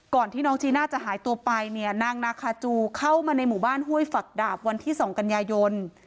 ที่น้องจีน่าจะหายตัวไปเนี่ยนางนาคาจูเข้ามาในหมู่บ้านห้วยฝักดาบวันที่๒กันยายน